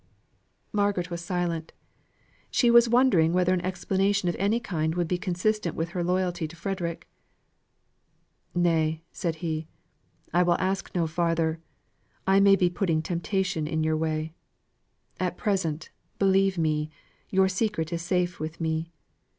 Margaret was silent. She was wondering whether an explanation of any kind would be consistent with her loyalty to Frederick. "Nay" said he, "I will ask no farther. I may be putting temptation in your way. At present, believe me, your secret is safe with me.